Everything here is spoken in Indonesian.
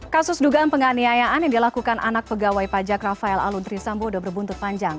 kasus dugaan penganiayaan yang dilakukan anak pegawai pajak rafael aluntri sambo sudah berbuntut panjang